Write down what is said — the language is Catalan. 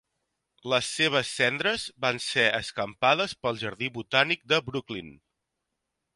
Les seves cendres van ser escampades pel jardí botànic de Brooklyn.